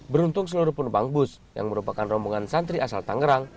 beruntung seluruh penumpang bus yang merupakan rombongan santri asal tangerang